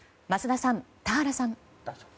桝田さん、田原さん。